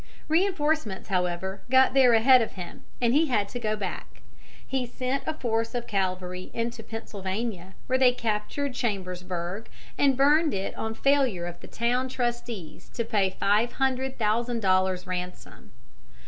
Reinforcements, however, got there ahead of him, and he had to go back. He sent a force of cavalry into Pennsylvania, where they captured Chambersburg and burned it on failure of the town trustees to pay five hundred thousand dollars ransom.